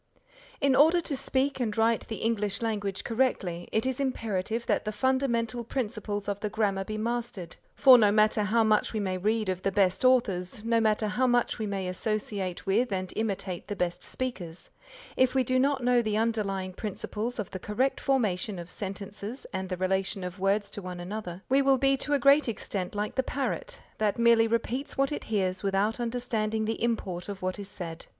In order to speak and write the English language correctly, it is imperative that the fundamental principles of the Grammar be mastered, for no matter how much we may read of the best authors, no matter how much we may associate with and imitate the best speakers, if we do not know the underlying principles of the correct formation of sentences and the relation of words to one another, we will be to a great extent like the parrot, that merely repeats what it hears without understanding the import of what is said.